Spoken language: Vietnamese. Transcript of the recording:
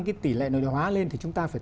cái tỷ lệ nội địa hóa lên thì chúng ta phải